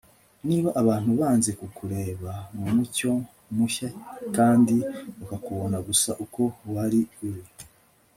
niba abantu banze kukureba mu mucyo mushya kandi bakakubona gusa uko wari uri